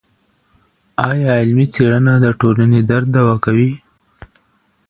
ايا علمي څېړنه د ټولني درد دوا کوي؟